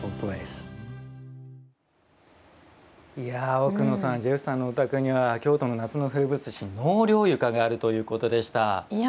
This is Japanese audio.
奥野さん、ジェフさんのお宅には京都の夏の風物詩納涼床があるということでした。